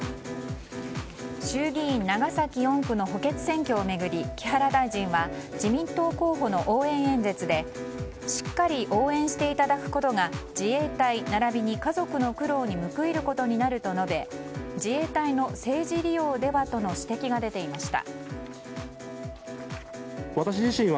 衆議院長崎４区の補欠選挙を巡り木原大臣は自民党候補の応援演説でしっかり応援していただくことが自衛隊ならびに家族の苦労に報いることになると述べ自衛隊の政治利用ではとの指摘が出ていました。